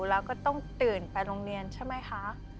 แล้วก็ต้องตื่นไปโรงเรียนใช่ไหมคะ